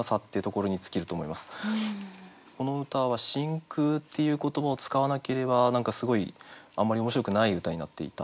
この歌は「真空」っていう言葉を使わなければ何かすごいあんまり面白くない歌になっていた。